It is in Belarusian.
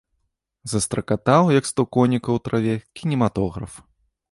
Застракатаў, як сто конікаў у траве, кінематограф.